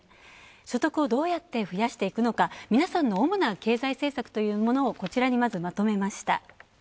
所得をどうやって増やしていくのか皆さんの主な経済政策というものをこちらにまとめました。